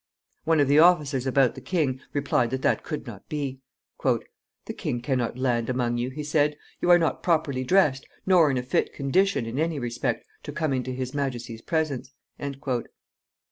One of the officers about the king replied that that could not be. "The king can not land among you," he said. "You are not properly dressed, nor in a fit condition, in any respect, to come into his majesty's presence."